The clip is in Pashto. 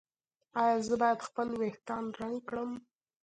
ایا زه باید خپل ویښتان رنګ کړم؟